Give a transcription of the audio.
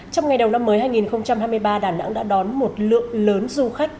trong ngày đầu năm mới hai nghìn hai mươi ba đà nẵng đã đón một lượng lớn du khách